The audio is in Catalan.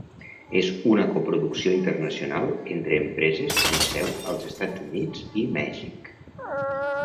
És una coproducció internacional entre empreses amb seu als Estats Units i Mèxic.